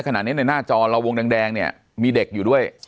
ขณะนี้ในหน้าจอเราวงแดงเนี่ยมีเด็กอยู่ด้วย